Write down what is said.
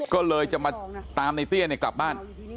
ก็เลยจะมาตามในเตี้ยกลับบ้าน